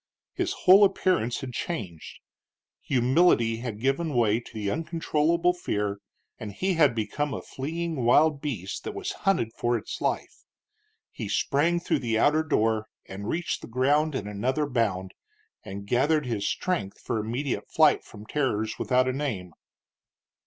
His whole appearance had changed. Humility had given way to uncontrollable fear, and he had become a fleeing wild beast that was hunted for its life. He sprang through the outer door and reached the ground in another bound, and gathered his strength for immediate flight from terrors without a name.